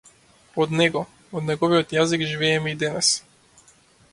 Од него, од неговиот јазик живееме и денес.